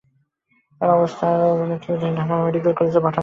তাঁর অবস্থার আরও অবনতি হলে তাঁকে ঢাকা মেডিকেল কলেজ হাসপাতালে পাঠানো হয়।